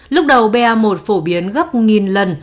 lúc đầu ba một phổ biến gấp nghìn lần